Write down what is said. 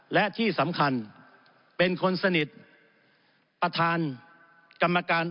และที่สำคัญเป็นคนสนิทประธานกรรมการ